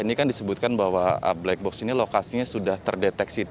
ini kan disebutkan bahwa black box ini lokasinya sudah terdeteksi